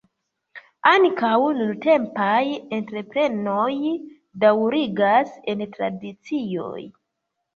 Ankaŭ nuntempaj entreprenoj daŭrigas en tradicioj.